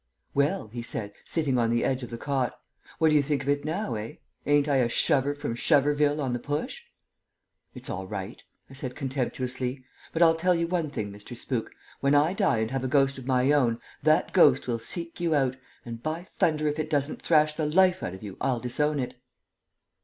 "Well," he said, sitting on the edge of the cot, "what do you think of it now, eh? Ain't I a shover from Shoverville on the Push?" "It's all right," I said, contemptuously. "But I'll tell you one thing, Mr. Spook: when I die and have a ghost of my own, that ghost will seek you out, and, by thunder, if it doesn't thrash the life out of you, I'll disown it!"